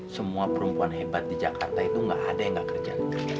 semua perempuan hebat di jakarta itu nggak ada yang gak kerja